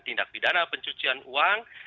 tindak pidana pencucian uang